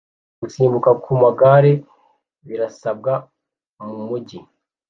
Gusimbuka ku magare birasabwa mu mujyi